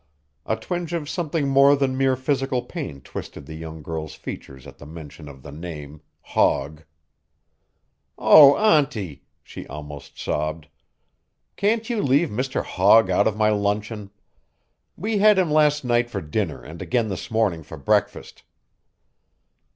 A twinge of something more than mere physical pain twisted the young girl's features at the mention of the name Hogg. "Oh, auntie," she almost sobbed, "can't you leave Mr. Hogg out of my luncheon. We had him last night for dinner and again this morning for breakfast."